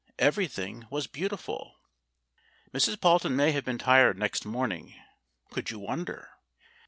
Everything was beautiful. Mrs. Palton may have been tired next morning could you wonder?